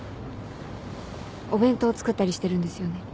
お弁当作ったりしてるんですよね？